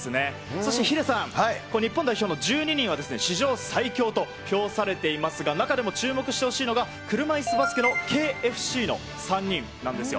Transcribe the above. そしてヒデさん、日本代表の１２人は、史上最強と評されていますが、中でも注目してほしいのが、車いすバスケのＫＦＣの３人なんですよ。